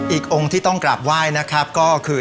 อีกองค์ที่ต้องกลับว่ายก็คือ